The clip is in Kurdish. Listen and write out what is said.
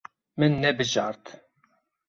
Min nebijart.